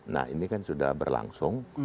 nah ini kan sudah berlangsung